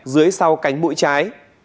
dưới sau cánh mũi trái